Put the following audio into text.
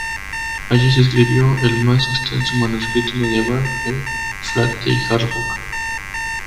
Allí se escribió el más extenso manuscrito medieval, el "Flateyjarbók".